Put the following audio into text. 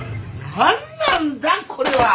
何なんだこれは！